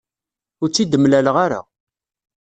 Ur tt-id-mlaleɣ ara.